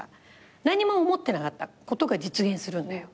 何も思ってなかったことが実現するんだよ。